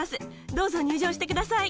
どうぞ入場してください。